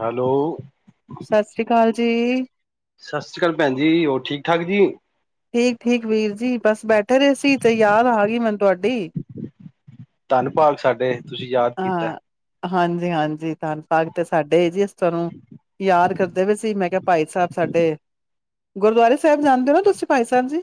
Hello ਜੇ ਸਤਿ ਸ਼੍ਰੀ ਅਕਾਲ ਭੈਣ ਜੀ ਹੋਰ ਠੀਕ ਠਾਕ ਜੀ ਠੀਕ ਠੀਕ ਵੀਰ ਜੀ ਬਸ ਬੈਠੇ ਰਹੇ ਸੀ ਤੇ ਯਾਦ ਆ ਗ ਮੈਨੂੰ ਤੁਹਾਡੀ ਧੰਨ ਭਗ ਸਾਡੇ ਤੁਸੀਂ ਯਾਦ ਕੀਤਾ ਹਾਂਜੀ ਹਾਂਜੀ ਪਾਗ ਤੇ ਸਾਡੇ ਜੀ ਤੁਹਾਨੂੰ ਯਾਦ ਕਰਦੇ ਵੀ ਸੀ ਮੈਂ ਕਿਹਾ ਭਾਈ ਸਾਹਿਬ ਸਾਡੇ ਗੁਰਦੁਆਰੇ ਸਾਹਿਬ ਜਾਣਦੇ ਹੋ ਤੁਸੀਂ ਭਾਈ ਸਾਹਿਬ ਜੀ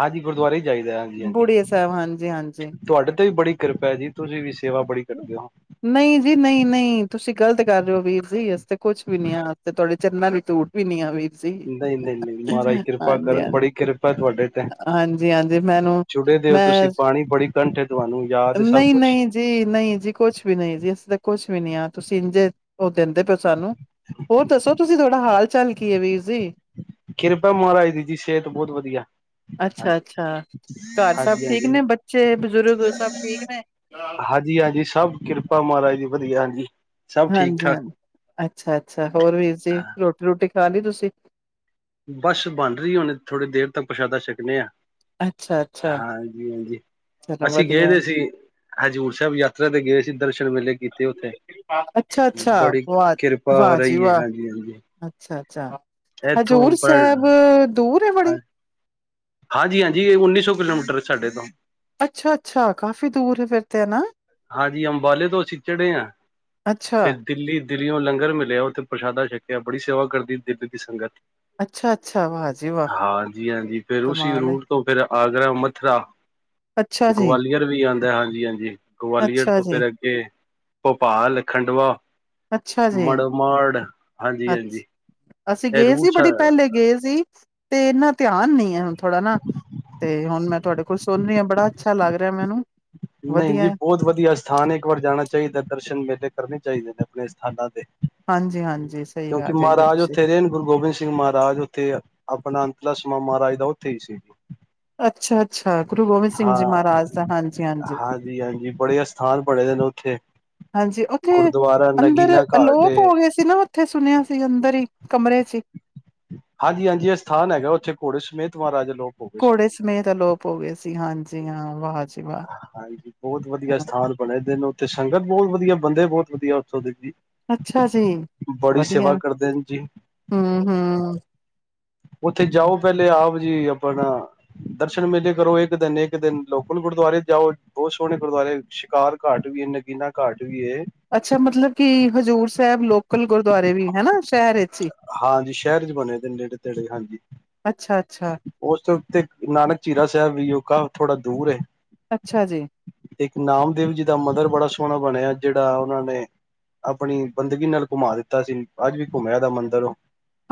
ਹਾਂਜੀ ਗੁਰਦੁਆਰੇ ਹੀ ਜਾਈਦਾ ਹਾਂਜੀ ਹਾਂਜੀ ਬੁੜੀਏ ਸਾਹਿਬ ਹਾਂਜੀ-ਹਾਂਜੀ ਤੁਹਾਡੇ ਤੋਂ ਵੀ ਬੜੀ ਕਿਰਪਾ ਹੈ ਜੀ ਤੁਸੀਂ ਵੀ ਸੇਵਾ ਬੜੀ ਕਰਦੇ ਹੋ ਨਹੀਂ ਜੀ ਨਹੀਂ ਨਹੀਂ ਤੁਸੀਂ ਗ਼ਲਤ ਕਰ ਰਹੇ ਹੋ ਵੀਰ ਜੀ ਇਸਤੇ ਕੁਛ ਵੀ ਨੀ ਆ ਤੁਥਹਾਡੇ ਚਨਾ ਦੀ ਤੂਟ ਵੀ ਨੀ ਆਵੇ ਨਹੀਂ ਨਹੀਂ ਨਹੀਂ ਮਹਾਰਾਜ ਕਿਰਪਾ ਕਰਨ ਬੜੀ ਕਿਰਪਾ ਤੁਹਾਡੇ ਤੇ ਹਾਂਜੀ ਹਾਂਜੀ ਮੈਨੂੰ ਜੁੜੇ ਦੇ ਹੋ ਮੈਂ ਤੁਸੀਂ ਬਾਣੀ ਬੜੀ ਕੰਠ ਹੈ ਤੁਹਾਨੂੰ ਯਾਦ ਹੈ ਸਭ ਨਹੀਂ ਕੁਛ ਨਹੀਂ ਜੀ ਨਹੀਂ ਜੀ ਕੁਛ ਵੀ ਨਹੀਂ ਜੀ ਅਸੀਂ ਤਾਂ ਕੁਛ ਵੀ ਨੀ ਆ ਤੁਸੀਂ ਇੰਝੇ ਦਿੰਦੇ ਪਏ ਸਾਨੂੰ ਹੋਰ ਦੱਸੋ ਤੁਸੀਂ ਥੋੜਾ ਹਾਲ ਚਾਲ ਕੀ ਹੈ ਵੀਰ ਜੀ ਕਿਰਪਾ ਮਹਾਰਾਜ ਦੀ ਜੀ ਸਿਹਤ ਬਹੁਤ ਵਧੀਆ ਅੱਛਾ ਹਾਂਜੀ ਅੱਛਾ ਘਰ ਸਭ ਹਾਂਜੀ ਠੀਕ ਹਾਂਜੀ ਨੇ ਬੱਚੇ ਬਜ਼ੁਰਗ ਸਭ ਠੀਕ ਨੇ ਹਾਂਜੀ ਹਾਂਜੀ ਸਭ ਕਿਰਪਾ ਮਹਾਰਾਜ ਦੀ ਹਾਂਜੀ ਸਭ ਠੀਕ ਠਾਕ ਅੱਛਾ ਅੱਛਾ ਅੱਛਾ ਹੋਰ ਵੀਰ ਸੀ ਰੋਟੀ ਰੋਟੀ ਠਾਂਦੀ ਤੁਸੀਂ ਬਸ਼ ਬਣ ਰਹੀ ਹੁਣੇ ਥੋੜ੍ਹੀ ਦੇਰ ਤੱਕ ਪਰਛਾਦਾ ਛੱਕ ਦਿਆ ਹਾਂ। ਅੱਛਾ-ਅੱਛਾ, ਹਾਂਜੀ-ਹਾਂਜੀ, ਚਲੋ ਅਸੀਂ ਗਏ ਵਧੀਆ, ਤੇ ਸੀ, ਹਜ਼ੂਰ ਸਾਹਿਬ ਯਾਤਰਾ ਤੇ ਗਏ ਸੀ ਦਰਸ਼ਨ ਮੇਲੇ ਕੀਤੇ ਉੱਥੇ, ਅੱਛਾ-ਅੱਛਾ, ਬੜੀ ਵਾਹ! ਕਿਰਪਾ ਹੋ ਰਹੀ ਹੈ, ਹਾਂਜੀ-ਹਾਂਜੀ। ਅੱਛਾ, ਹਜ਼ੂਰ ਸਾਹਿਬ ਦੂਰ, [unintelligible] ਬੜੀ ਹਾਂਜੀ-ਹਾਂਜੀ, ਉੱਨੀ ਸੌ ਕਿਲੋਮੀਟਰ ਸਾਡੇ ਤੋਂ। ਅੱਛਾ-ਅੱਛਾ, ਕਾਫ਼ੀ ਦੂਰ ਏ ਫਿਰ ਤੇ ਹੈ ਨਾ। ਹਾਂਜੀ, ਅੰਬਾਲੇ ਤੋਂ ਸਿੱਚੜੇ ਆ। ਅੱਛਾ, ਫਿਰ ਦਿੱਲੀ, ਦਿੱਲੀਓਂ ਲੰਗਰ ਮਿਲਿਆ ਉੱਥੇ ਪ੍ਰਸ਼ਾਦਾ ਛਕਿਆ ਬੜੀ ਸੇਵਾ ਕਰਦੀ ਦਿਲ ਦੀ ਸੰਗਤ। ਅੱਛਾ-ਅੱਛਾ, ਵਾਹ ਜੀ ਵਾਹ! ਹਾਂਜੀ-ਹਾਂਜੀ ਫਿਰ ਉਸੀ ਕਮਾਲ ਏ। ਰੂਟ ਤੋਂ ਫਿਰ, ਆਗਰਾ ਮਥੁਰਾ, ਅੱਛਾ ਜੀ, ਗਵਾਲੀਅਰ ਵੀ ਆ। ਦ ਹਾਂਜੀ-ਹਾਂਜੀ, ਗਵਾਲੀਅਰ ਅੱਛਾ ਤੋਂ ਜੀ, ਫਿਰ ਅੱਗੇ, ਭੋਪਾਲ ਖੰਡਵਾ। ਅੱਛਾ ਜੀ, ਮੜਮੜ, ਹਾਂਜੀ- ਅੱਛ ਹਾਂਜੀ। ਅਸੀਂ ਇਹ ਗਏ ਸੀ ਰੂਟ ਬੜੀ ਪਹਿਲੇ ਗਏ ਸੀ ਤੇ ਇਹਨਾਂ ਧਿਆਨ ਅਣ ਨੀ ਅ ਹੁਣ ਥੋੜਾ ਨਾ, ਤੇ ਹੁਣ ਮੈਂ ਤੁਹਾਡੇ ਕੋਲ ਸੁਣ ਰਹੀ ਹਾਂ ਬੜਾ ਅੱਛਾ ਲੱਗ ਰਿਹਾ ਮੈਨੂੰ। ਨਹੀਂ ਜੀ ਵਧੀਆ ਬਹੁਤ ਵਧੀਆ ਸਥਾਨ ਹੈ, ਇੱਕ ਵਾਰ ਜਾਣਾ ਚਾਹੀਦਾ ਦਰਸ਼ਨ ਮੇਲੇ। ਕਰਨੇ ਚਾਹੀਦੇ ਨੇ ਆਪਣੇ ਸਥਾਨਾਂ ਤੇ। ਹਾਂਜੀ ਹਾਂਜੀ ਸਹੀ ਕਿਉਂਕਿ ਗੱਲ ਕਹੀ ਹੈ ਮਹਾਰਾਜ ਤੁਸੀਂ ਉੱਥੇ ਰਹਿਣ ਗੁਰੂ ਗੋਬਿੰਦ ਸਿੰਘ ਮਹਾਰਾਜ ਉੱਥੇ, ਆਪਣਾ ਅੰਤਲਾ, ਮਹਾਰਾਜ ਦਾ ਉਥੇ ਈ ਸੀ। ਅੱਛਾ- ਅੱਛਾ, ਗੁਰੂ ਗੋਬਿੰਦ ਸਿੰਘ ਜੀ ਹਾਂ ਮਹਾਰਾਜ ਦਾ ਹਾਂਜੀ- ਹਾਂਜੀ। ਹਾਂਜੀ- ਹਾਂਜੀ, ਬੜੇ ਅਸਥਾਨ ਬਣੇ ਦੇ ਨੇ ਉੱਥੇ, ਹਾਂਜੀ ਉੱਥੇ ਗੁਰਦੁਆਰਾ ਅੰਦਰ ਨਗੀਨਾ ਘਾਟ ਅਲੋਪ ਏ। ਹੋ ਗਏ ਸੀ ਨਾ ਉੱਥੇ ਸੁਣਿਆ ਸੀ ਅੰਦਰ ਹੀ ਕਮਰੇ ਸੀ ਹਾਂਜੀ -ਹਾਂਜੀ, ਇਹ ਅਸਥਾਨ ਹੈਗਾ ਉੱਥੇ ਘੋੜੇ ਸਮੇਤ ਮਹਾਰਾਜਾ, ਘੋੜੇ ਸਮੇਤ ਅਲੋਪ ਹੋ ਗਏ ਸੀ ਹਾਂਜੀ ਹਾਂ ਬਾਦ, ਹਾਂਜੀ, ਬਹੁਤ ਵਧੀਆ ਅਸਥਾਨ ਬਣੇ ਦਿਨ ਤੇ ਸੰਗਤ ਬਹੁਤ ਵਧੀਆ ਬੰਦੇ ਬਹੁਤ ਵਧੀਆ ਓਥੋ ਦੇ। ਅੱਛਾ ਜੀ ਬੜੀ ਸੇਵਾ ਵਧੀਆ ਕਰਦੇ ਨੇ ਜੀ ਹਮ ਹਮ। ਉੱਥੇ ਜਾਓ ਪਹਿਲੇ ਆਪ ਜੀ ਆਪਣਾ ਦਰਸ਼ਨ ਮੇਲੇ ਕਰੋ ਇੱਕ ਦਿਨ ਇੱਕ ਦਿਨ ਲੋਕਲ ਗੁਰਦੁਆਰੇ ਜਾਓ ਬਹੁਤ ਸੋਹਣੇ ਗੁਰਦੁਆਰੇ ਸ਼ਿਕਾਰ ਘਾਟ ਵੀ ਹੈ ਨਗੀਨਾ ਘਾਟ ਵੀ ਏ ਅੱਛਾ ਮਤਲਬ ਕਿ ਹਜ਼ੂਰ ਸਾਹਿਬ ਲੋਕਲ ਗੁਰਦੁਆਰੇ ਵੀ ਹਨਾ ਸ਼ਹਿਰ ਵਿੱਚ ਹੀ ਹਾਂਜੀ ਸ਼ਹਿਰ ਚ ਬਣੇ ਤੇ ਨੇੜੇ ਤੇੜੇ ਹਾਂਜੀ ਅੱਛਾ ਅੱਛਾ ਉਸਦੇ ਉੱਤੇ ਨਾਨਕ ਚੀਰਾ ਸਾਹਿਬ ਵੀ ਥੋੜਾ ਦੂਰ ਏ ਅੱਛਾ ਜੀ ਤੇ ਇੱਕ ਨਾਮਦੇਵ ਜੀ ਦਾ ਮੰਦਿਰ ਬੜਾ ਸੋਹਣਾ ਬਣਿਆ ਜਿਹੜਾ ਉਹਨਾਂ ਨੇ ਆਪਣੀ ਬੰਦਗੀ ਨਾਲ ਘੁਮਾ ਦਿੱਤਾ ਸੀ ਅੱਜ ਵੀ ਘੁੰਮਿਆ ਦਾ ਮੰਦਿਰ ਉਹ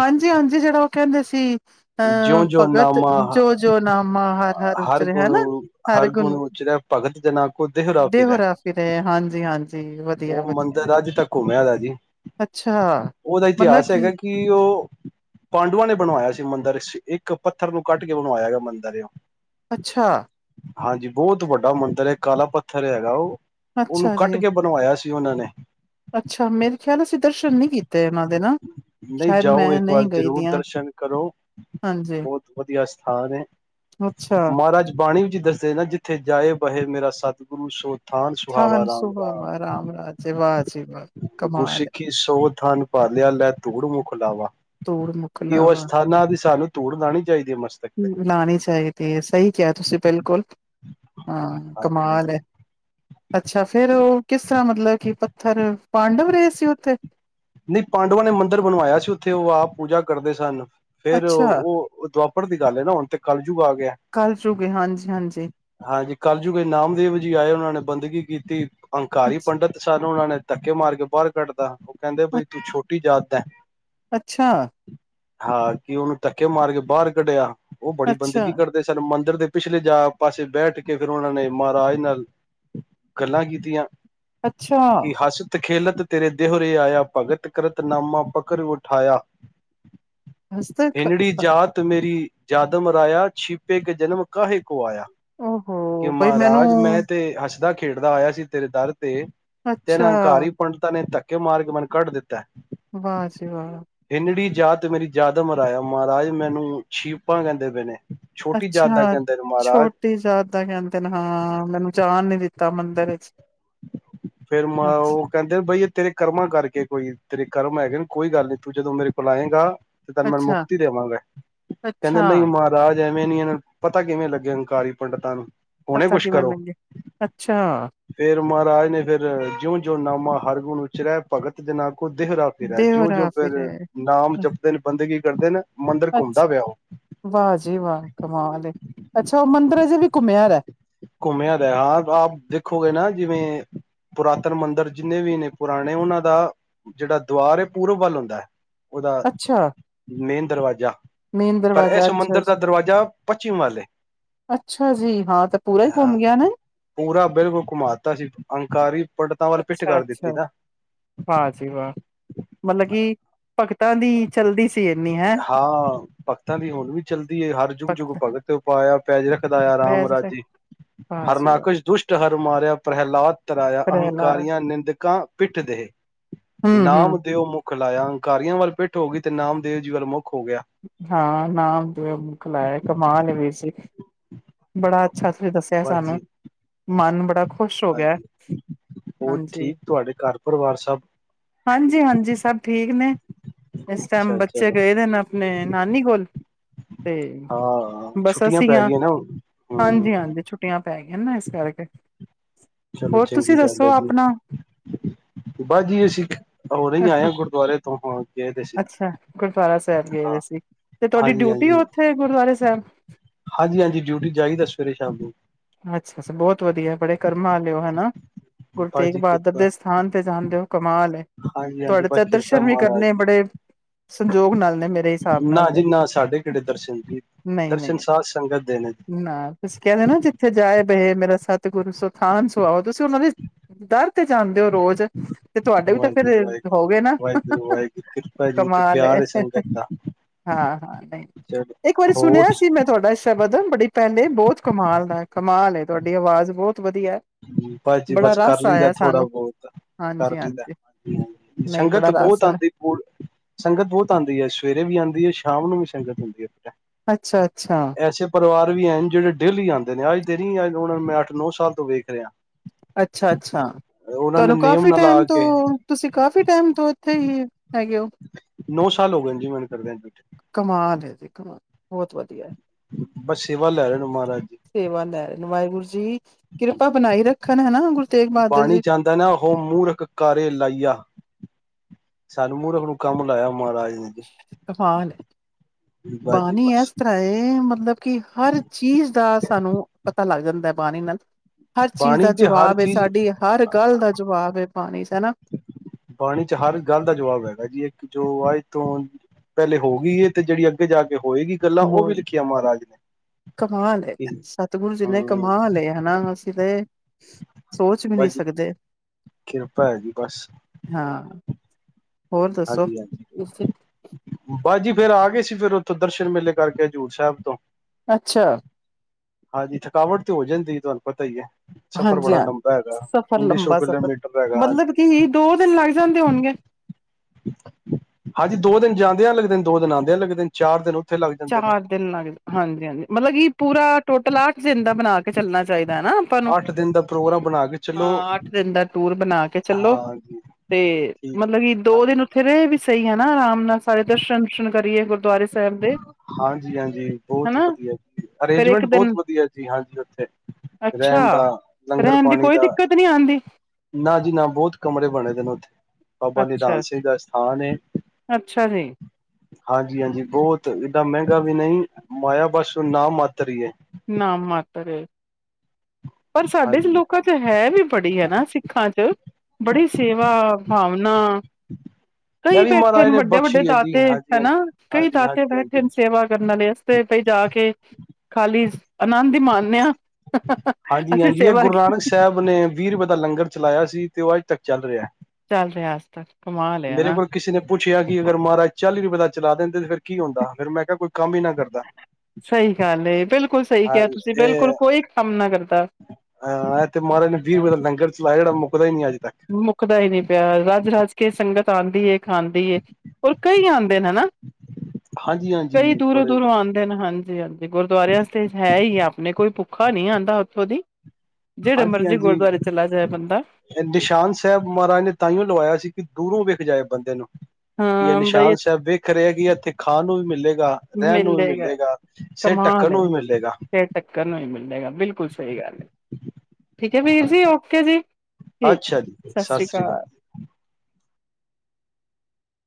ਹਾਂਜੀ ਹਾਂਜੀ ਜਿਹੜਾ ਉਹ ਕਹਿੰਦੇ ਸੀ ਆ ਜਿਉਂ ਜਿਉਂ ਭਗਤ ਨਾਮਾ ਜੋ ਜੋ ਨਾਮਾ ਹਰ ਉਚ ਰ ਹਨਾ ਹਰ ਗੁਣ ਗੁਣੂ ਉਚਰੈ ਭਗਤ ਜਨਾਂ ਕੋ ਦੇਹਰਾ ਦੇਹ ਫਿਰੈ ਰਾਫੀ ਰਹੇ ਹਾਂਜੀ ਹਾਂਜੀ ਵਧੀਆ ਉਹ ਵਧੀਆ ਮੰਦਿਰ ਅੱਜ ਤੱਕ ਘੁੰਮਿਆ ਦਾ ਜੀ ਅੱਛਾ ਉਹਦਾ ਇਤਿਹਾਸ ਹੈਗਾ ਕਿ ਉਹ ਪਾਂਡੂਆਂ ਨੇ ਬਣਵਾਇਆ ਸੀ ਮੰਦਿਰ ਇੱਕ ਪੱਥਰ ਨੂੰ ਕੱਢ ਕੇ ਬਣਵਾਇਆ ਗਿਆ ਮੰਦਿਰ ਓ ਅੱਛਾ ਹਾਂਜੀ ਬਹੁਤ ਵੱਡਾ ਮੰਦਿਰ ਹੈ ਕਾਲਾ ਪੱਥਰ ਹੈਗਾ ਉਹ ਉਹਨੂੰ ਅੱਛਾ ਕੱਟ ਜੀ ਕੇ ਬਣਵਾਇਆ ਸੀ ਉਹਨਾਂ ਨੇ ਅੱਛਾ ਮੇਰੇ ਖਿਆਲ ਅਸੀਂ ਦਰਸ਼ਨ ਨਹੀਂ ਕੀਤੇ ਉਹਨਾਂ ਦੇ ਨਾ ਨਹੀਂ ਸ਼ਾਇਦ ਮੈਂ ਜਾਓ ਇੱਕ ਵਾਰ ਨਹੀਂ ਗਈ ਜ਼ਰੂਰ ਦੀਆਂ ਦਰਸ਼ਨ ਕਰੋ ਹਾਂਜੀ ਬਹੁਤ ਵਧੀਆ ਸਥਾਨ ਹੈ ਅੱਛਾ ਮਹਾਰਾਜ ਬਾਣੀ ਵਿੱਚ ਦੱਸਦੇ ਨਾ ਜਿੱਥੇ ਜਾਏ ਬਹੇ ਮੇਰਾ ਸਤਿਗੁਰੂ ਸੋਤ ਸਥਾਨ ਸੁਹਾਵਾ ਰਾਮ ਵਾਹ ਰਾਮ ਰਾਜੇ ਵਾਹ ਜ ਵਾਹ ਕਮਾਲ ਐ ਉਥਾਨ ਭਾਲਿਆ ਲੈ ਤੋੜ ਮੁਖ ਲਾਵਾ ਧੂੜ ਕਿ ਉਹ ਮੁਕਲਾਵਾ ਅਸਥਾਨਾਂ ਦੀ ਸਾਨੂੰ ਤੋੜਣਾ ਨੀ ਲਾਣੀ ਚਾਹੀਦੀ ਹੈ ਸਹੀ ਕਿਹਾ ਤੁਸੀਂ ਬਿਲਕੁਲ ਹਾਂ ਹਾਂਜੀ ਕਮਾਲ ਐ ਅੱਛਾ ਫੇਰ ਉਹ ਕਿਸ ਕਿਸ ਤਰ੍ਹਾਂ ਮਤਲਬ ਕਿ ਪੱਥਰ ਪਾਂਡਵ ਰਹੇ ਸੀ ਉੱਥੇ ਨਹੀਂ ਪਾਂਡਵਾਂ ਨੇ ਮੰਦਿਰ ਬਣਵਾਇਆ ਸੀ ਉੱਥੇ ਉਹ ਆਪ ਪੂਜਾ ਕਰਦੇ ਸਨ ਫੇਰ ਅੱਛਾ ਉਹ ਦੁਆ ਦਵਾਪਰ ਦੀ ਗੱਲ ਹੈ ਨਾ ਹੁਣ ਕਲਯੁੱਗ ਆ ਗਿਆ ਕੱਲ ਚੁਗੇ ਹਾਂਜੀ ਹਾਂਜੀ ਹਾਂਜੀ ਕਲਯੁੱਗ ਚ ਨਾਮਦੇਵ ਜੀ ਆਏ ਉਹਨਾਂ ਨੇ ਬੰਦਗੀ ਕੀਤੀ ਅੱ ਅੰਕਾਰੀ ਪੰਡਿਤ ਸਾਰੇ ਉਹਨਾਂ ਨੇ ਧੱਕੇ ਮਾਰ ਕੇ ਬਾਹਰ ਕੱਢਤਾ ਕਹਿੰਦੇ ਬਈ ਤੂੰ ਛੋਟੀ ਜਾਤ [unintelligible] ਅੱਛਾ ਹਾਂ ਕਿ ਉਹਨੂੰ ਧੱਕੇ ਮਾਰ ਕੇ ਬਾਹਰ ਕੱਢਿਆ ਔ ਬੜੀ ਅੱਛਾ ਬੰਦਗੀ ਕਰਦੇ ਸਨੂੰ ਮਨ ਇੱਧਰ ਦੇ ਪਿਛਲੇ ਜਾ ਪਾਸੇ ਬੈਠ ਕੇ ਫਿਰ ਉਹਨਾਂ ਨੇ ਮਾਹਰਾਜ ਨਾਲ ਗੱਲਾਂ ਕੀਤੀਆਂ। ਅੱਛਾ! ਕਿ ਹਸਤ ਖੇਲਤ ਤੇਰੇ ਦੇਹ ਤੇ ਆਇਆ ਭਗਤ ਕਰਤ ਨਾਮਾ ਪਕਰ ਉਠਾਇਆ। ਹਸਤੇ ਹਿਨੜੀ ਜਾਤ ਮੇਰੀ ਜਾਦਮ ਰਾਇਆ ਛਿਪੇ ਕੇ ਜਨਮ ਕਾਹੇ ਕੋ ਆਇਆ ਓਹੋ ਕਿ ਬਈ ਮੈਨੂੰ ਮਹਾਰਾਜ ਮੈਂ ਤੇ ਹਸ ਦਾ-ਖੇਡਦਾ ਆਇਆ ਸੀ ਤੇਰੇ ਦਰ ਤੇ ਤਿੰਨ ਅੱਛਾ ਅਹੰਕਾਰੀ ਪੰਡਤਾਂ ਨੇ ਧੱਕ ਕੇ ਮਾਰ ਕੇ ਮਨੂੰ ਕੱਢ ਦਿੱਤੈ। ਵਾਹ ਜੀ ਵਾਹ। ਨੜੀ ਜਾਤ ਤੇ ਮੇਰੀ ਜਾਦਮ ਰਾਇਆ, ਮਹਾਰਾਜ ਮੈਨੂੰ ਛੀਪਾਂ ਕਹਿੰਦੇ ਪੇ ਨੇ। ਛੋਟੀ ਜਾਤ ਅੱਛਾ ਦਾ ਕਹਿੰਦੇ ਨੇ ਮਹਾਰਾਜ ਛੋਟੀ ਜਾਤ ਦਾ ਕਹਿੰਦੇ ਨੇ ਹਾਂ ਮੈਨੂੰ ਜਾਣ ਨੀ ਦਿੱਤਾ ਮੰਦਰ ਇੱਚ। ਫਿਰ ਮ ਔ ਕੈਂਦੇ ਬਈ ਇਹ ਤੇਰੇ ਕਰਮਾਂ ਕਰਕੇ ਕੋਈ ਤੇਰੇ ਕਰਮ ਹੈਗੇ ਨ, ਕੋਈ ਗੱਲ ਨੀ ਤੂੰ ਜਦੋਂ ਮੇਰੇ ਕੋਲ ਆਏਂਗਾ ਤੇ ਤੈਂਨ ਮੈ ਅੱਛਾ ਮੁਕਤੀ ਦੇਵਾਂਗਾ। ਕਹਿੰਦੇ ਅੱਛਾ ਨਈ ਮਾਹਰਾਜ ਤੇ ਐਵੇਂ ਨੀ ਇਹਨਾਂ ਨੂੰ ਪਤਾ ਕਿਵੇਂ ਲੱਗੇ ਹੰਕਾਰੀ ਪੰਡਿਤਾਂ ਨੂੰ ਹੁਣੇ ਪਤਾ ਕੁਛ ਕਿਵੇਂ ਲੱਗੇ? ਅੱਛਾ! ਤੇ ਮਾਹਰਾਜ ਨੇ ਫੇਰ ਜਿਉਂ-ਜਿਉਂ ਨਾਮਾ ਹਰ ਗੁਣ ਉਚਰੇ ਭਗਤ ਜਨਾ ਕੋ ਦੇਹੁਰਾ ਫਿਰੈ। ਦੇਹਰਾ ਜੋ-ਜੋ ਫਿਰ ਹੈ। ਨਾਮ ਜਪਦੇ ਨੇ, ਬੰਦਗੀ ਕਰਦੇ ਨੇ ਮੰਦਰ ਅੱਛਾ ਘੁੰਮਦਾ ਪਿਆ ਉਹ। ਵਾਹ ਜੀ ਵਾਹ ਕਮਾਲ ਏ। ਅੱਛਾ ਉਹ ਮੰਦਿਰ ਅਜੇ ਵੀ ਘੁੰਮਿਆ ਰੈਅ। ਘੁੰਮਿਆ ਦਾ ਐ। ਆਪ, ਆਪ ਦੇਖੋਗੇ ਨਾ ਜਿਵੇਂ ਪੁਰਾਤਨ ਮੰਦਰ ਜਿੰਨੇ ਵੀ ਨੇ ਪੁਰਾਣੇ ਉਹਨਾਂ ਦਾ ਜਿਹੜਾ ਦਵਾਰ ਏ ਪੂਰਬ ਵੱਲ ਹੁੰਦਾ ਐ। ਔਦਾ ਅੱਛਾ ਮੇਨ ਦਰਵਾਜਾ ਮੇਨ ਦਰਵਾਜ਼ਾ ਅੱਛਾ-ਅੱਛਾ, ਪੱਛਮ ਵੱਲ ਏ ਅੱਛਾ ਜੀ! ਹਾਂ ਤੇ ਪੂਰਾ ਈ ਹਾਂ ਘੁੰਮ ਗਿਆ ਨ ਪੂਰਾ ਬਿਲਕੁਲ ਘੁਮਾ ਦੱਤਾ ਸੀ ਅਹੰਕਾਰੀ ਅੱਛਾ-ਅੱਛਾ, ਵਾਹ ਜੀ ਵਾਹ। ਮਤਲਬ ਕਿ ਭਗ ਤਾਂ ਦੀ ਚੱਲਦੀ ਸ ਹਾਂ ਭਗਤਾਂ ਦੀ ਹੁਣ ਵੀ ਚੱਲਦੀ ਏ। ਹਰ ਜੁੱਗ-ਜੁਗ ਭਗਤ ਉਪਾਇਆ ਪੈਜ ਰੱਖਦਾ ਆਇਆ ਰਾਮ ਪੈਜ ਪੈ ਰਾਜੇ, ਵਾਹ ਜੀ ਵਾਹ ਹਰਨਾਕਸ਼ ਦੁਸ਼ਟ ਹਰ ਮਾਰਿਆ ਪ੍ਰਹਿਲਾਦ ਤਰਾਇਆ, ਪ੍ਰਹਿਲਾਦ ਅਹੰਕਾਰੀਆਂ ਨਿੰਦਕਾਂ ਪਿੱਠ ਦੇਹ, ਹੂੰ ਹੂੰ ਨਾਮ ਦਿਓ ਮੁਖ ਖਿਲਾਇਆ ਅੰਕਾਰੀਆਂ ਵੱਲ ਪਿੱਠ ਹੋ ਗਈ ਤੇ ਨਾਮ ਦੇ ਜੀਰ ਮੁੱਖ ਹਾਂ, ਨਾਮ ਤ ਮੁਖ ਲਆ ਕਮਾਲ ਲ ਵੀਰ ਸੀ ਬੜਾ ਸੱਚ ਦੱਸਿਆ ਬਸ ਸਾਨੂੰ ਜੀ ਮਨ ਬੜਾ ਖੁਸ਼ ਹੋ ਗਿਆ, ਹਾਂਜੀ ਹੋਰ ਹਾਂਜੀ ਠੀਕ ਤੁਹਾਡੇ ਘਰ ਪਰਿਵਾਰ ਸਭ ਹਾਂਜੀ ਹਾਂਜੀ ਸਭ ਠੀਕ ਨੇ ਇਸ ਟਾਈਮ ਅੱਛਾ ਬੱਚੇ ਚਲੋ ਗਏ ਦੇ ਨੇ ਣੇ ਨਾਨੀ ਕੋਲ ਤੇ ਹਾਂ ਬੱਸਾਂ ਛੁੱਟੀਆਂ ਪੈ ਆਸੀਆਂ ਗਈਆਂ ਨਾ ਹੁਣ ਹਾਂਜੀ ਹੂੰ ਹਾਂਜੀ ਛੁੱਟੀਆਂ ਇਨਾ ਇਸ ਸੀ ਕਰਕੇ ਚਲੋ ਹੋਰ ਤੁਸੀਂ ਚੰਗੀ ਗੱਲ ਦੱਸੋ ਹੈ। ਜੀ ਆਪਣਾ ਬਾਅਜੀ ਅਸੀਂ ਹੋ ਨੀ ਆਏ ਹਾਂ ਗੁਰਦੁਆਰੇ ਤੋਂ ਹੋ ਗਏ ਪੇ ਸੀ ਅੱਛਾ ਗੁਰਦੁਆਰਾ ਸਾਹਿਬ ਗਏ ਦੇ ਹਾਂ, ਸੀ। ਤੇ ਤੁਹਾਡੀ ਹਾਂਜੀ ਡਿਊਟੀ ਹਾਂਜੀ, ਉੱਥੇ ਗੁਰਦੁਆਰੇ ਸਾਹਿਬ ਹਾਂਜੀ ਹਾਂਜੀ ਡਿਊਟੀ ਚਹੀਦਾ ਸਵੇਰੇ ਸ਼ਾਮ ਨੂੰ ਅੱਛਾ ਅੱਛਾ ਬਹੁਤ ਵਧੀਆ ਬੜੇ ਕਰਮਾਂ ਲਿਓ ਹਨਾ ਗੁਰੂ ਬਸ ਤੇਗ ਜੀ ਬਹਾਦਰ ਕਿਰਪਾ ਦੇ ਸਥਾਨ ਤੇ ਜਾਂਦੇ ਹੋ ਕਮਾਲ ਹੈ ਹਾਂਜੀ ਹਾਂਜੀ ਤੁਹਾਡੇ ਬਸ ਚ ਕਿਰਪਾ ਦਰਸ਼ਨ ਵੀ ਮਹਾਰਾਜ ਕਰਨੇ ਦੀ ਬੜੇ ਸੰਜੋਗ ਨਾਲ ਨੇ ਮੇਰੇ ਹਿਸਾਬ ਨਾ ਨਾਲ ਤੇ ਜੀ ਨਾ ਸਾਡੇ ਕਿਹੜੇ ਦਰਸ਼ਨ ਜੀ ਨਹੀਂ ਦਰਸ਼ਨ ਨਹੀਂ ਸਾਧ ਸੰਗਤ ਦੇ ਨੇ ਜੀ। ਨਾ ਤੁਸੀਂ ਕਹਿੰਦੇ ਨਾ ਜਿੱਥੇ ਜਾਏ ਬਹੇ ਮੇਰਾ ਸਤਿਗੁਰੂ ਸਥਾਨ ਸੁ ਆਓ ਤੁਸੀਂ ਉਹਨਾਂ ਦੇ ਡਰ ਤੇ ਜਾਂਣਦੇ ਹੋ ਰੋਜ਼ ਤੇ ਤੁਹਾਡੇ ਵੀ ਤਾਂ ਫੇਰ ਵਾਹਿਗੁਰੂ ਹੋ ਗਏ ਵਾਹਿਗੁਰੂ ਨਾ ਵਾਹਿਗੁਰੂ ਵਾਹਿਗੁਰੂ ਕਿਰਪਾ ਜੀ ਤੇ ਕਮਾਲ ਪਿਆਰ ਏ ਸੰਗਤ ਦਾ ਹਾਂ ਹਾਂ ਚਲੋ ਇੱਕ ਵਾਰੀ ਹੋਰ ਸੁਣਿਆ ਸੀ ਮੈਂ ਤੁਹਾਡਾ ਸ਼ਰ ਵਧਣ ਬੜੀ ਪਹਿਲੇ ਬਹੁਤ ਕਮਾਲ ਦਾ ਕਮਾਲ ਤੁਹਾਡੀ ਆਵਾਜ਼ ਬਹੁਤ ਵਧੀਆ ਬਸ ਜੀ ਬੜਾ ਬਸ ਕਰ ਰਸ ਲਈਦਾ ਆਇਆ ਥੋੜਾ ਸਾਨੂੰ ਬਹੁਤ ਕਰ ਹਾਂਜੀ ਲਈਦਾ ਹਾਂਜੀ ਹਾਂ, ਹਾਂ ਨਹੀਂ ਸੰਗਤ ਬੜਾ ਬਹੁਤ ਰਸ ਹੈ ਆਉਂਦੀ ਸੰਗਤ ਬਹੁਤ ਆਉਂਦੀ ਹੈ ਸਵੇਰੇ ਵੀ ਆਉਂਦੀ ਹੈ ਸ਼ਾਮ ਨੂੰ ਵੀ ਸੰਗਤ ਹੁੰਦੀ ਹੈ। ਅੱਛਾ ਅੱਛਾ ਐਸੇ ਪਰਿਵਾਰ ਵੀ ਜਿਹੜੇ ਡੇਲੀ ਆਉਂਦੇ, ਨੇ ਅੱਜ ਦੇ ਨੀ ਮੈਂ ਅੱਠ, ਨੌ ਸਾਲ, ਤੋਂ ਵੇਖ ਰਿਆ ਅੱਛਾ, ਅੱਛਾ ਨੇ ਤੁਹਾਨੂੰ ਨੇਮ ਕਾਫੀ ਨਾਲ ਆ ਟਾਈਮ ਕੇ ਤੋਂ ਤੁਸੀਂ ਕਾਫੀ ਟਾਈਮ ਤੋਂ ਇੱਥੇ ਹੀ ਹੈਗੇ ਹੋ ਨੌ ਸਾਲ, ਹੋ ਗਏ ਜੀ ਮੈਨ ਕਰਦੇਿਆਂ ਕਮਾਲ ਹੈ, ਜੀ ਕਮਾਲ ਬਹੁਤ ਵਧੀਆ ਬੱਸ ਸੇਵਾ ਲੈ ਰਹੇ ਨੇ ਮਹਾਰਾਜ ਜੀ ਸੇਵਾ ਲੈ ਰਹੇ ਵਾਹਿਗੁਰੂ ਜੀ ਕਿਰਪਾ ਬਣਾਈ ਰੱਖਣ ਹਨਾ ਗੁਰੂ ਤੇਗ ਬਹਾਦਰ ਬਾਣੀ ਜੀ ਵਿਚ ਆਉਂਦਾ ਹੈ ਨਾ, ਉਹ ਮੂਰਖ ਕਾਰੇ ਲਾਈਆ ਸਾਨੂੰ ਮੂਰਖ ਨੂੰ ਹੁਕਮ ਨੂੰ ਕੰਮ ਲਾਇਆ ਮਹਾਰਾਜ ਜੀ ਨੇ ਜੀ ਕਮਾਲ ਬਸ ਜੀ ਬਾਣੀ ਇਸ ਬਸ ਤਰ੍ਹਾਂ ਹੈ ਮਤਲਬ ਕਿ ਹਰ ਚੀਜ਼ ਦਾ ਸਾਨੂੰ ਪਤਾ ਲੱਗ ਜਾਂਦਾ ਬਾਣੀ ਨਾਲ ਹਰ ਚੀਜ਼ ਦਾ ਬਾਣੀ ਤੇ ਹਰ ਜਵਾਬ ਚੀਜ਼ ਸਾਡੀ ਹਰ ਗੱਲ ਦਾ ਜਵਾਬ ਏ ਬਾਣੀ ਚ ਹਨਾਂ ਬਾਣੀ ਚ ਹਰ ਗੱਲ ਦਾ ਜਵਾਬ ਹੈਗਾ ਜੀ ਇੱਕ ਜੋ ਅੱਜ ਤੋਂ ਪਹਿਲੇ ਹੋ ਗਈ ਹੈ ਤੇ ਜਿਹੜੀ ਅੱਗੇ ਜਾ ਕੇ ਹੋਏਗੀ ਗੱਲਾਂ ਉਹ ਵੀ ਹੋਰ ਲਿਖੀਆਂ ਮਹਾਰਾਜ ਕਮਾ ਲਏ ਨੇ ਸਤਿਗੁਰੂ ਜੀ ਨੇ ਹੂੰ ਕਮਾ ਲਏ ਹਨਾ ਅਸੀਂ ਤੇ [unintelligible] ਸੋਚ ਵੀ ਨਹੀਂ ਬਸ ਜੀ ਸਕਦੇ, ਕਿਰਪਾ ਹੈ ਜੀ ਬਸ ਹਾਂ ਹੋਰ ਦੱਸੋ ਹਾਂਜੀ ਹਾਂਜੀ ਬਸ ਜੀ ਫੇਰ ਆ ਗਏ ਸੀ ਫਿਰ ਉੱਥੋਂ ਦਰਸ਼ਨ ਮੇਲੇ ਕਰਕੇ ਹਜ਼ੂੂਰ ਸਾਹਿਬ ਤੋਂ ਅੱਛਾ ਹਾਂਜੀ ਥਕਾਵਟ ਤੇ ਹੋ ਜਾਂਦੀ ਤੁਹਾਨੂੰ ਪਤਾ ਹੀ ਏ ਹਾਂਜੀ ਹਾਂਜੀ ਸਫ਼ਰ ਸੌ ਲੰਬਾ ਸਫ਼ਰ ਕਿਲੋਮੀਟਰ ਹੈਗਾ ਹਾਂਜੀ ਮਤਲਬ ਕੀ ਦੋ ਦਿਨ ਲੱਗ ਜਾਂਦੇ ਹੋਣਗੇ ਹਾਂਜੀ ਦੋ ਦਿਨ ਜਾਂਦਿਆ ਲੱਗਦੇ ਨੇ ਦਿਨ ਦੋ ਦਿਨ ਆਦਿਆ ਲੱਗਦੇ ਦਿਨ ਚਾਰ ਦਿਨ ਉੱਥੇ ਲੱਗ ਜਾਂਦੇ ਨੇ ਚਾਰ ਦਿਨ ਲੱਗਦੇ ਹਾਂਜੀ ਹਾਂਜੀ ਮਤਲਬ ਕਿ ਪੂਰਾ ਟੋਟਲ ਆ ਅੱਠ ਦਿਨ ਦਾ ਬਣਾ ਕੇ ਚੱਲਣਾ ਚਾਹੀਦਾ ਆਪਾਂ ਨੂੰ ਅੱਠ ਦਿਨ ਦਾ ਪ੍ਰੋਗਰਾਮ ਬਣਾ ਕੇ ਚਲੋ ਹਾਂ ਅੱਠ ਦਿਨ ਦਾ ਟੂਰ ਬਣਾ ਕੇ ਚੱਲੋ ਹਾਂਜੀ ਤੇ ਠੀਕ ਮਤਲਬ ਕਿ ਹੈ ਦੋ ਦਿਨ ਉੱਥੇ ਰਹੇ ਵੀ ਸਹੀ ਹੈ ਆਰਾਮ ਨਾਲ ਸਾਰੇ ਦਰਸ਼ਨ ਦੂਰਸ਼ਨ ਕਰੀਏ ਗੁਰਦੁਆਰੇ ਸਾਹਿਬ ਦੇ ਹਾਂਜੀ ਹਾਂਜੀ ਬਹੁਤ ਹਨਾ ਵਧੀਆ ਜੀ ਫੇਰ ਇੱਕ ਅਰੇਂਜਮੈਂਟ ਬਹੁਤ ਦਿਨ ਵਧੀਆ ਜੀ ਹਾਂਜੀ ਉੱਥੇ ਅੱਛਾ ਰਹਿਣ ਦਾ ਲੰਗਰ ਰਹਿਣ ਦੀ ਪਾਣੀ ਕੋਈ ਦਾ ਦਿੱਕਤ ਨੀ ਆਉਂਦੀ ਨਾ ਜੀ ਨਾ ਬਹੁਤ ਕਮਰੇ ਬਣੇ ਦੇ ਨੇ ਉੱਥੇ ਬਾਬਾ ਨਿਧਾਨ ਅੱਛਾ ਸਿੰਘ ਦਾ ਸਥਾਨ ਹੈ ਅੱਛਾ ਜੀ ਹਾਂਜੀ ਹਾਂਜੀ ਬਹੁਤ ਮਹਿੰਗਾ ਵੀ ਨਹੀਂ ਮਾਇਆ ਬਸ ਨਾ ਮਾਤਰ ਹੀ ਏ ਨਾ ਮਾਤਰ ਪਰ ਸਾਡੇ ਚ ਹਾਂਜੀ ਲੋਕਾਂ ਚ ਹੈ ਵੀ ਬੜੀ ਹੈ ਨਾ ਸਿੱਖਾਂ ਚ ਬੜੀ ਸੇਵਾ ਭਾਵਨਾ ਇਹ ਕਈ ਵੀ ਬੈਠੇ ਮਹਾਰਾਜ ਨੇ ਵੱਡੇ ਵੱਡੇ ਬਖਸ਼ੀ ਹੈ ਜੀ ਦਾਤੇ ਹਾਂਜੀ ਹਨਾ ਹਾਂਜੀ ਕਈ ਹਾਂਜੀ ਦਾਤੇ ਹਾਂਜੀ ਹਾਂਜੀ ਬੈਠੇ ਨੇ ਸੇਵਾ ਕਰਨ ਵਾਲੇ ਤੇ ਪਈ ਜਾ ਕੇ ਖਾਲੀ ਆਨੰਦ ਹੀ ਮਾਣਦੇ ਆ ਹਾਂਜੀ ਅਸੀਂ ਹਾਂਜੀ ਇਹ ਸੇਵਾ ਗੁਰੂ ਕੀ ਨਾਨਕ ਸਾਹਿਬ ਨੇ ਵੀਹ ਰੁਪਏ ਦਾ ਲੰਗਰ ਚਲਾਇਆ ਸੀ ਤੇ ਉਹ ਅੱਜ ਤੱਕ ਚੱਲ ਰਿਹਾ ਏ ਚੱਲ ਰਿਹਾ ਅੱਜ ਤੱਕ ਕਮਾਲ ਏ ਹਨਾ ਕੋਲ ਕਿਸੇ ਨੇ ਪੁੱਛਿਆ ਕਿ ਅਗਰ ਮਹਾਰਾਜ ਚਾਲੀ ਰੁਪਏ ਦਾ ਚਲਾਦੇ ਨੇ ਤਾਂ ਫਿਰ ਕੀ ਹੁੰਦਾ ਫੇਰ ਮੈਂ ਕਿਹਾ ਕੋਈ ਕੰਮ ਹੀ ਨਾ ਕਰਦਾ। ਸਹੀ ਗੱਲ ਏ ਬਿਲਕੁਲ ਸਹੀ ਕਿਹਾ ਤੁਸੀਂ ਬਿਲਕੁਲ ਕੋਈ ਕੰਮ ਨਾ ਕਰਦਾ ਹਾਂ ਏਹ ਤੇ ਮਹਾਰਾਜ ਨੇ ਹਾਂਜੀ ਵੀਹ ਰੁਪਏ ਦਾ ਹਾਂਜੀ ਲੰਗਰ ਚਲਾ ਜਿਹੜਾ ਮੁੱਕ ਦਾ ਨਹੀਂ ਅਜੇ ਮੁੱਕਦਾ ਹੀ ਨਹੀਂ ਪਿਆ ਰੱਜ ਰਜ ਕੇ ਸੰਗਤ ਆਂਦੀ ਏ ਖਾਂਦੀ ਹੋਰ ਕਈ ਆਂਦੀ ਹਨਾ ਹਾਂਜੀ ਕਈ ਹਾਂਜੀ ਦੂਰੋਂ ਬੜੇ ਦੂਰੋਂ ਬੜੇ ਆਉਂਦੇ ਨੇ ਹਾਂਜੀ ਜੀ ਹਾਂਜੀ [unintelligible] ਤੇ ਗੁਰਦੁਰਿਆਂ ਆਸਤੇ ਹੈ ਹੀ ਆ ਆਪਣੇ ਕੋਈ ਔਖਾ ਨੀ ਆਂਦਾ ਉੱਥੋਂ ਦੀ ਜਿਹੜੇ ਹਾਂਜੀ ਮਰਜ਼ੀ ਹਾਂਜੀ ਗੁਰਦੁਆਰੇ ਚਲਾ ਜਾਏ ਬੰਦਾ ਨਿਸ਼ਾਨ ਸਾਹਿਬ ਮਹਾਰਾਜ ਨੇ ਤਾਂਇਓ ਲਵਾਇਆ ਸੀ ਕਿ ਦੂਰੋਂ ਵੇਖ ਜਾਏ ਬੰਦੇ ਨੂੰ ਕੀ ਇਹ ਹਾਂ ਬਈ ਨਿਸ਼ਾਨ ਸਾਹਿਬ ਵੇਖ ਰਹੇ ਏ ਕਿ ਇੱਥੇ ਖਾਣ ਨੂੰ ਵੀ ਮਿਲੇਗਾ ਰਹਿਣ ਨੂੰ ਵੀ ਮਿਲੇਗਾ ਸਿਰ ਢੱਕਣ ਕਮਾਲ ਏ ਨੂੰ ਵੀ ਮਿਲੇਗਾ ਫੇਰ ਟੱਕਰ ਨੂੰ ਹੀ ਮਿਲੇਗਾ ਬਿਲਕੁਲ ਸਹੀ ਗੱਲ ਠੀਕ ਹੈ ਵੀਰ ਜੀ ਹਾਂਜੀ ਓਕੇ ਜੀ ਠੀਕ ਅੱਛਾ ਜੀ ਸਤਿ ਸ੍ਰੀ ਅਕਾਲ ਜੀ